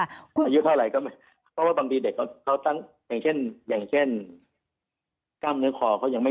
อายุเท่าไร